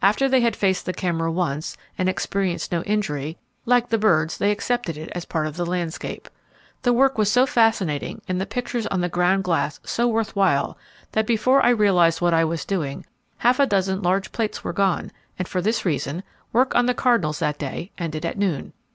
After they had faced the camera once, and experienced no injury, like the birds, they accepted it as part of the landscape. The work was so fascinating, and the pictures on the ground glass so worth while, that before I realized what I was doing, half a dozen large plates were gone, and for this reason, work with the cardinals that day ended at noon.